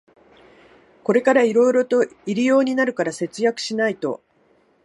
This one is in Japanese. これからいろいろと入用になるから節約しないと